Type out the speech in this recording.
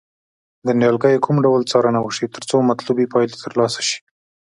د نیالګیو کوم ډول څارنه وشي ترڅو مطلوبې پایلې ترلاسه شي.